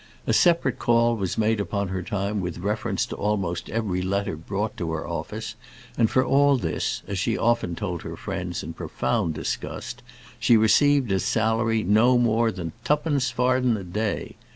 A separate call was made upon her time with reference to almost every letter brought to her office, and for all this, as she often told her friends in profound disgust, she received as salary no more than "tuppence farden a day.